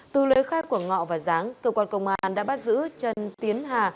từ lưới khai của ngọ và giáng cơ quan công an đã bắt giữ trần tiến hà